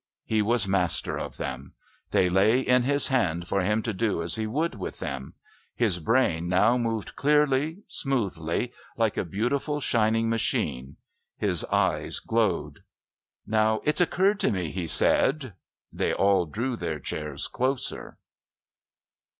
He was master of them. They lay in his hand for him to do as he would with them. His brain now moved clearly, smoothly, like a beautiful shining machine. His eyes glowed. "Now, it's occurred to me " he said. They all drew their chairs closer.